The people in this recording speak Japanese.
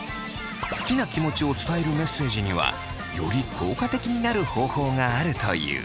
好きな気持ちを伝えるメッセージにはより効果的になる方法があるという。